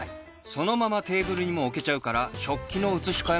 そのままテーブルにも置けちゃうから食器の移し替えも不要！